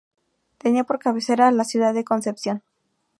Tenía por cabecera a la ciudad de Concepción.